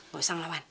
gak usah ngelawan